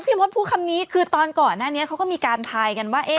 ไม่พี่มศพี่มศพูดคำนี้คือตอนก่อนหน้านี้เขาก็มีการถ่ายกันว่า